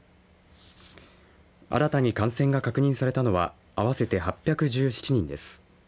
新たに感染が確認されたのは合わせて８１７人です。